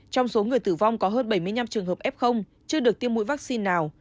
trong số người tử vong có hơn bảy mươi năm trường hợp f chưa được tiêm mũi vaccine nào